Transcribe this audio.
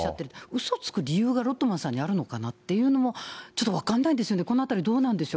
うそつく理由がロッドマンさんにあるのかなっていうのは、ちょっと分かんないですよね、このあたりどうなんでしょう。